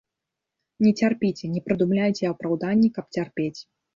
Не цярпіце, не прыдумляйце апраўданні, каб цярпець.